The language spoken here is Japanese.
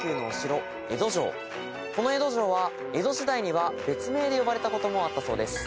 この江戸城は江戸時代には別名で呼ばれたこともあったそうです。